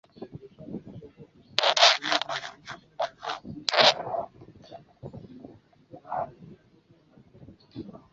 目前效力于崎玉西武狮担任先发投手。